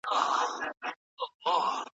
ایا تاسي کله په غره کې د غره چای څښلی دی؟